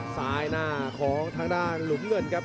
ซ้ายหน้าของทางด้านหลุมเงินครับ